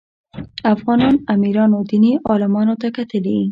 افغان امیرانو دیني عالمانو ته کتلي.